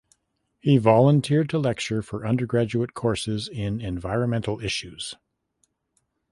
He volunteered to lecture for undergraduate courses in environmental issues.